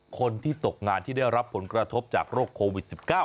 คนที่ตกงานที่ได้รับผลกระทบจากโรคโควิด๑๙